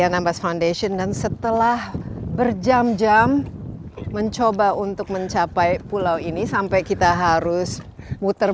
anambas foundation dan setelah berjam jam mencoba untuk mencapai pulau ini sampai kita harus muter